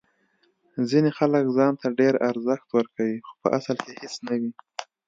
ځینې خلک ځان ته ډیر ارزښت ورکوي خو په اصل کې هیڅ نه وي.